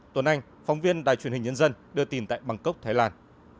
tuấn anh phóng viên đài truyền hình nhân dân đưa tin tại bangkok thái lan